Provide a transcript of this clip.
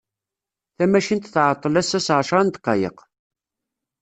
Tamacint tεeṭṭel assa s εecra n ddqayeq.